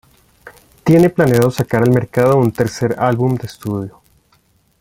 Tiene planeado sacar al mercado un tercer álbum de estudio.